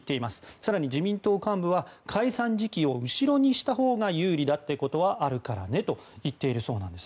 更に、自民党幹部は解散時期を後ろにしたほうが有利だってことはあるからねと言っているそうです。